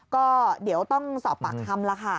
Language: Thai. ก็เดี๋ยวต้องสอบปากคำแล้วค่ะ